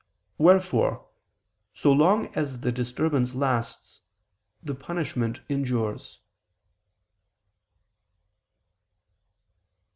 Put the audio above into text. Wherefore, so long as the disturbance lasts, the punishment endures.